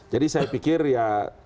jadi saya pikir ya